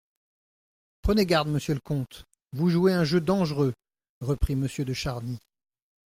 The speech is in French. Prenez garde, monsieur le comte ! vous jouez un jeu dangereux, reprit Monsieur de Charny.